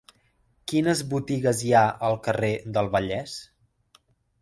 Quines botigues hi ha al carrer del Vallès?